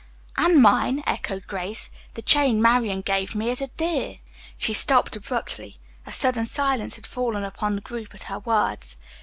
"And mine," echoed Grace. "The chain Marian gave me is a dear." She stopped abruptly. A sudden silence had fallen upon the group at her words.